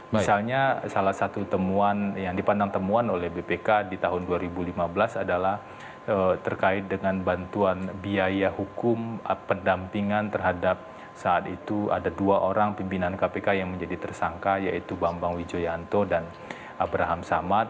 misalnya salah satu temuan yang dipandang temuan oleh bpk di tahun dua ribu lima belas adalah terkait dengan bantuan biaya hukum pendampingan terhadap saat itu ada dua orang pimpinan kpk yang menjadi tersangka yaitu bambang wijoyanto dan abraham samad